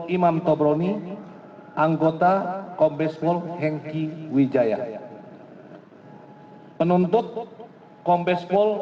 imam tobroni anggota pembespol hengki wijaya penuntut pembespol